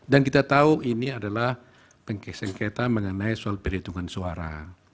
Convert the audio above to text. dan kita tahu ini adalah sengketa mengenai soal perhitungan suara